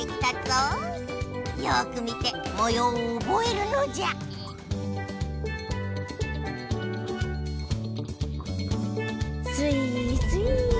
よく見てもようをおぼえるのじゃすいすい。